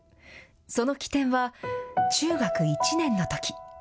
その起点は、中学１年のとき。